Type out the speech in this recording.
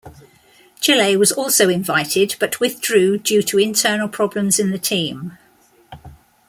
Chile was also invited but withdrew due to internal problems in the team.